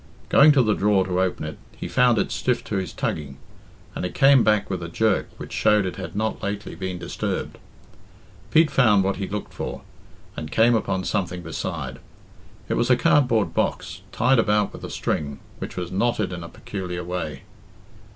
Going to the drawer to open it, he found it stiff to his tugging, and it came back with a jerk, which showed it had not lately been disturbed. Pete found what he looked for, and came upon something beside. It was a cardboard box, tied about with a string, which was knotted in a peculiar way.